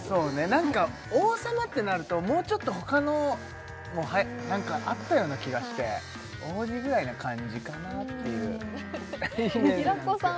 何か王様ってなるともうちょっと他のも何かあったような気がして王子ぐらいな感じかなっていうイメージなんです